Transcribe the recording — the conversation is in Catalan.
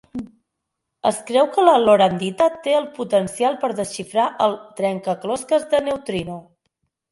Es creu que la lorandita té el potencial per desxifrar el "trencaclosques de neutrino".